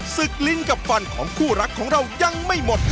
ลิ้นกับฟันของคู่รักของเรายังไม่หมด